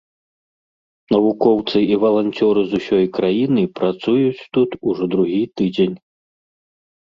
Навукоўцы і валанцёры з усёй краіны працуюць тут ужо другі тыдзень.